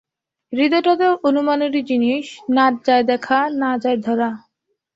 হৃদয়টা তো অনুমানেরই জিনিস– না যায় দেখা, না যায় ধরা।